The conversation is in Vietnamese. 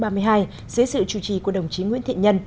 dưới sự chủ trì của đồng chí nguyễn thiện nhân